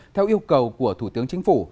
theo yêu cầu của thủ tướng chính phủ